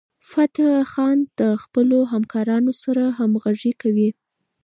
فتح خان د خپلو همکارانو سره همغږي وکړه.